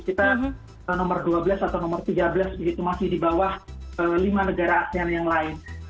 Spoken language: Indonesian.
kita nomor dua belas atau nomor tiga belas begitu masih di bawah lima negara asean yang lain